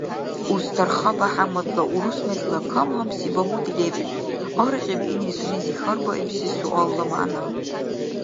Устарха БяхӀяммадла урус мезла кам-гьамси багьуди лебри: аргъиб илини сунези хьарбаибси суалла мягӀна.